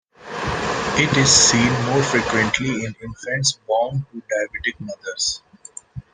It is seen more frequently in infants born to diabetic mothers.